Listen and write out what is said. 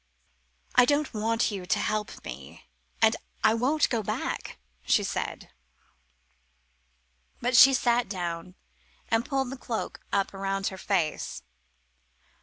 "I don't want you to help me; and I won't go back," she said. But she sat down and pulled the cloak up round her face.